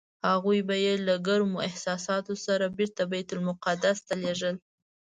هغوی به یې له ګرمو احساساتو سره بېرته بیت المقدس ته لېږل.